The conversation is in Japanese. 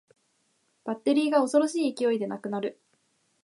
バッテリーが恐ろしい勢いでなくなる